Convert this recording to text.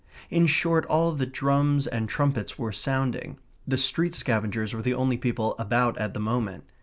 In short, all the drums and trumpets were sounding. The street scavengers were the only people about at the moment.